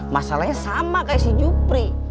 masalahnya sama kayak si jupri